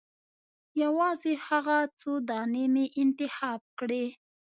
یوازې هغه څو دانې مې انتخاب کړې.